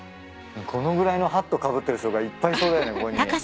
このぐらいのハットかぶってる人がいっぱいいそうだよね